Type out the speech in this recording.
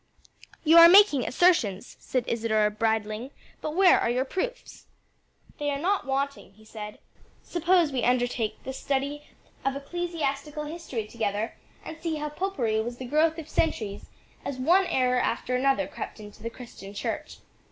"You are making assertions," said Isadore bridling, "but where are your proofs?" "They are not wanting," he said. "Suppose we undertake the study of ecclesiastical history together, and see how Popery was the growth of centuries, as one error after another crept into the Christian church."